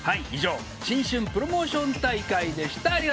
以上新春プロモーション大会でした。